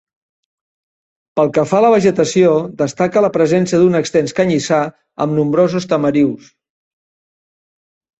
Pel que fa a la vegetació, destaca la presència d'un extens canyissar, amb nombrosos tamarius.